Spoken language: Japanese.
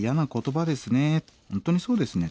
本当にそうですね。